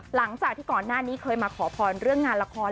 หลังจากที่ก่อนหน้านี้เคยมาขอพรเรื่องงานละคร